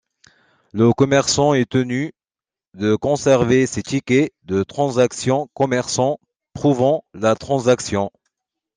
Le commerçant est tenu de conserver ses tickets de transactions commerçants prouvant la transaction.